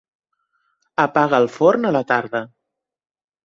Apaga el forn a la tarda.